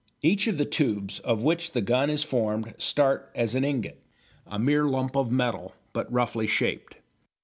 Each of the tubes of which the gun is formed start as an ingot, a mere lump of metal, but roughly shaped.